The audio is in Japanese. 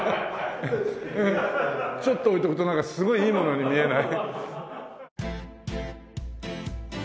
ちょっと置いとくとなんかすごいいいものに見えない？